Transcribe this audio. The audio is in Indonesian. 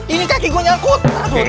ini kaki gue nyangkut